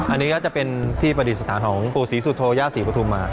อันนี้ก็จะเป็นที่ประดิษฐานของปู่ศรีสุโธย่าศรีปฐุมา